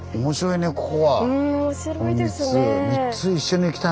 うん面白いですね。